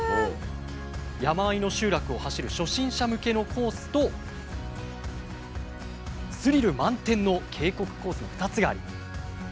山あいの集落を走る初心者向けのコースとスリル満点の渓谷コースの２つがあります。